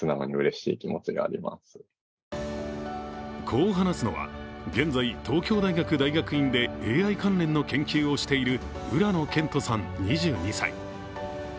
こう話すのは現在、東京大学大学院でＡＩ関連の研究をしている浦野健人さん２２歳。